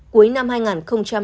cuối năm hai nghìn hai mươi một